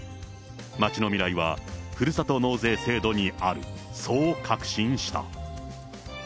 町の未来はふるさと納税制度にある、そう確信した。